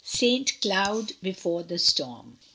ST. CLOUD BEFORE THE STORM.